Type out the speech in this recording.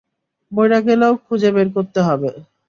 মইরা গেলেও খুঁজে, বের করতে হবে।